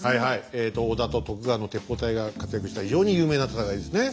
えと織田と徳川の鉄砲隊が活躍した非常に有名な戦いですね。